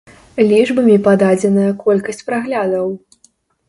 Лічбамі пададзеная колькасць праглядаў.